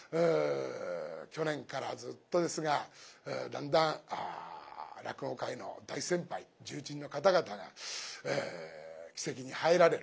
去年からずっとですがだんだん落語界の大先輩重鎮の方々が鬼籍に入られる。